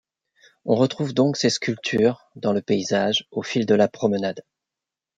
On retrouve donc ses sculptures dans le paysage, au fil de la promenade.